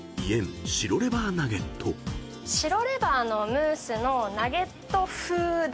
白レバーのムースのナゲット風ですね。